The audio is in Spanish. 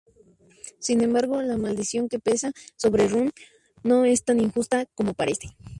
Sin embargo, la maldición que pesa sobre Rune no es tan injusta como parece...